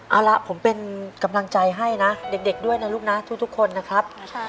เอาละผมเป็นกำลังใจให้นะเด็กด้วยนะลูกนะทุกคนนะครับ